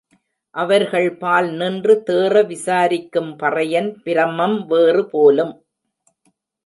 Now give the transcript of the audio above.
அவர்கள்பால் நின்று தேற விசாரிக்கும் பறையன் பிரமம் வேறு போலும்.